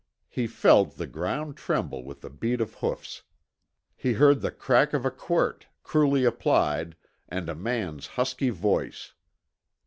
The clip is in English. He felt the ground tremble with the beat of hoofs. He heard the crack of a quirt, cruelly applied, and a man's husky voice.